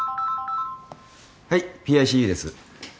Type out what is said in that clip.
はいＰＩＣＵです。